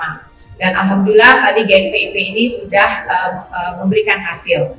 dan alhamdulillah tadi gni pip ini sudah memberikan hasil